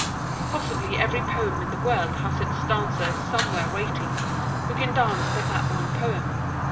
Possibly every poem in the world has its dancer somewhere waiting, who can dance but that one poem.